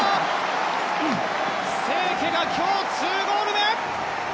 清家が今日２ゴール目！